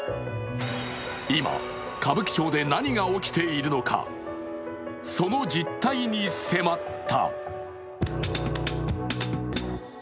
今、歌舞伎町で何が起きているのかその実態に迫った。